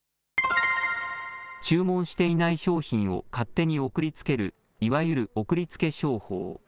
注文していない商品を勝手に送りつけるいわゆる送りつけ商法。